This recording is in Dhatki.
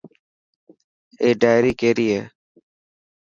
اي ڊائري ڪيري هي.